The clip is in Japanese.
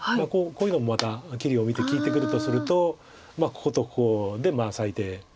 こういうのもまた切りを見て利いてくるとするとこことここで最低２眼はありますよね。